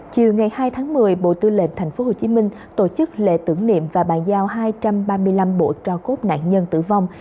chiều ngày hai tháng một mươi bộ tư lệnh tp hcm tổ chức lễ tưởng niệm và bàn giao hai trăm ba mươi năm bộ cho cốt nạn nhân tử vong